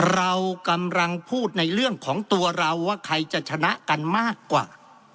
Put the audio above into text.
เรากำลังพูดในเรื่องของตัวเราว่าใครจะชนะกันมากกว่า